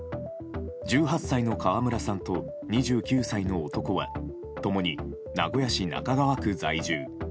１８歳の川村さんと２９歳の男はともに名古屋市中川区在住。